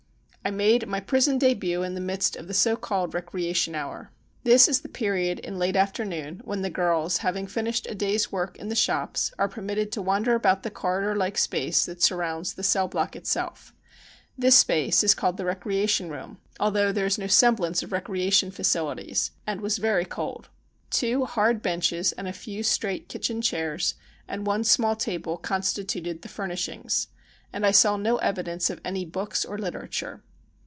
I made my prison debut in the midst of the so called recreation hour. This is the period in late afternoon when the girls, having finished a day's work in the shops, are permitted to wander about the corridor like space that surrounds the cell block itself. This space is called the recreation room, although there is no semblance of recreation facilities, and was very cold. Two hard benches and a few straight kitchen chairs and one small table constituted the furnishings, and I saw no evi dence of any books or literature.